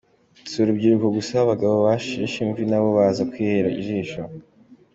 Si urubyiruko gusa, abagabo basheshe imvi nabo baza kwihera ijisho.